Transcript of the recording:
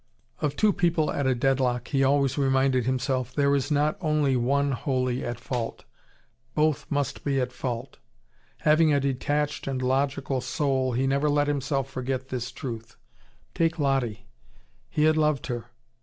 Of two people at a deadlock, he always reminded himself, there is not one only wholly at fault. Both must be at fault. Having a detached and logical soul, he never let himself forget this truth. Take Lottie! He had loved her.